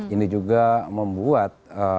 ini juga membuat